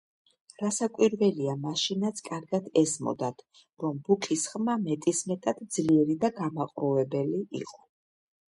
რასაკვირველია, მაშინაც კარგად ესმოდათ, რომ ბუკის ხმა მეტისმეტად ძლიერი და გამაყრუებელი იყო.